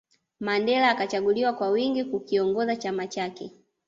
Mandela akachaguliwa kwa wingi kukiongoza chama chake